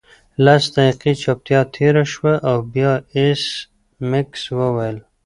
لس دقیقې چوپتیا تیره شوه او بیا ایس میکس وویل